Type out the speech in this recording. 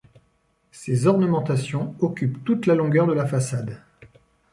Ses ornementations occupent toute la longueur de la façade.